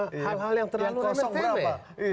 hal hal yang terlalu remeh temeh